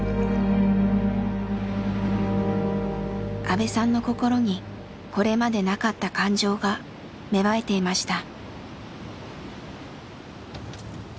阿部さんの心にこれまでなかった感情が芽生えていました。